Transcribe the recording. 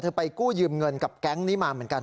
ไปกู้ยืมเงินกับแก๊งนี้มาเหมือนกัน